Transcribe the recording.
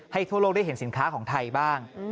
ทั่วโลกได้เห็นสินค้าของไทยบ้าง